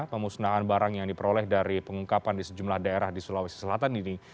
pemusnahan barang yang diperoleh dari pengungkapan di sejumlah daerah di sulawesi selatan ini